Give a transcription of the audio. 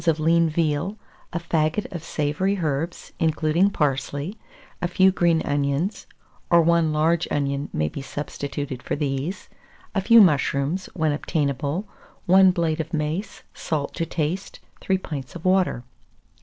of lean veal, a faggot of savoury herbs, including parsley, a few green onions (or 1 large onion may be substituted for these), a few mushrooms, when obtainable; 1 blade of mace, salt to taste, 3 pints of water.